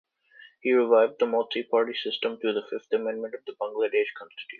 He revived the multi-party system through the Fifth Amendment of the Bangladesh Constitution.